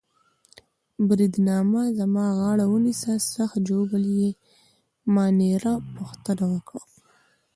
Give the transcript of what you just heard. بریدمنه زما غاړه ونیسه، سخت ژوبل يې؟ مانیرا پوښتنه وکړه.